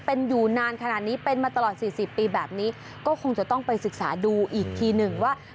เป็นอยู่นานขนาดนี้เป็นมาตลอด๔๐ปีแบบนี้ก็คงจะต้องไปศึกษาดูอีกทีหนึ่งว่า